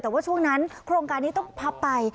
แต่ว่าช่วงนั้นโครงการนี้ต้องพับไป